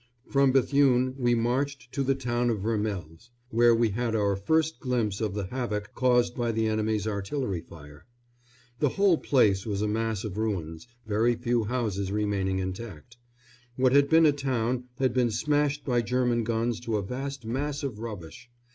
From Bethune we marched to the town of Vermelles, where we had our first glimpse of the havoc caused by the enemy's artillery fire. The whole place was a mass of ruins, very few houses remaining intact. What had been a town had been smashed by German guns to a vast mass of rubbish.